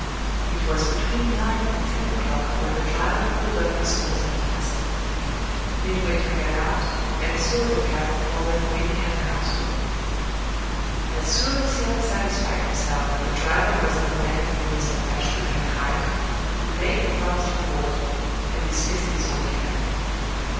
It was between nine and ten o'clock when the driver pulled up his horse at last. Midwinter got out, and saw the cab before them waiting at a house door. As soon as he had satisfied himself that the driver was the man whom Mr. Bashwood had hired, he paid the promised reward, and dismissed his own cab.